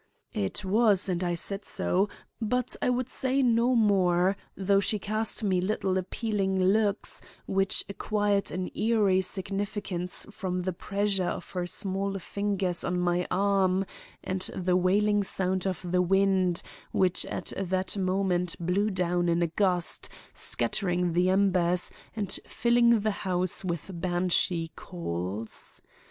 "It was, and I said so; but I would say no more, though she cast me little appealing looks which acquired an eery significance from the pressure of her small fingers on my arm and the wailing sound of the wind which at that moment blew down in one gust, scattering the embers and filling the house with banshee calls.